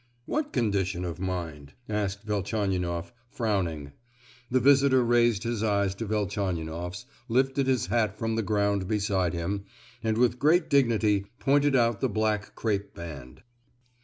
"What condition of mind?" asked Velchaninoff, frowning. The visitor raised his eyes to Velchaninoff's, lifted his hat from the ground beside him, and with great dignity pointed out the black crape band.